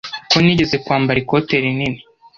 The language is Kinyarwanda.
Ko nigeze kwambara ikote rinini